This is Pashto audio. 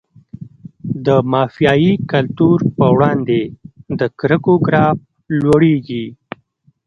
د مافیایي کلتور په وړاندې د کرکو ګراف لوړیږي.